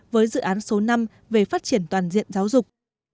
với dự án số năm về phát triển toàn diện giáo dục